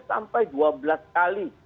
sampai dua belas kali